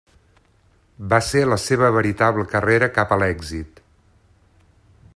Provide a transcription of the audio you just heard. Va ser la seva veritable carrera cap a l'èxit.